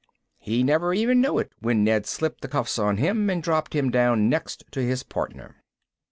He never even knew it when Ned slipped the cuffs on him and dropped him down next to his partner.